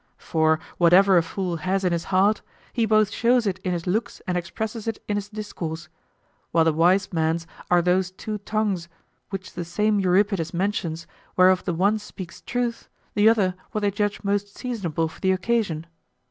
For whatever a fool has in his heart, he both shows it in his looks and expresses it in his discourse; while the wise men's are those two tongues which the same Euripides mentions, whereof the one speaks truth, the other what they judge most seasonable for the occasion.